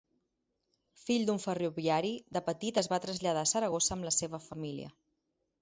Fill d'un ferroviari, de petit es va traslladar a Saragossa amb la seva família.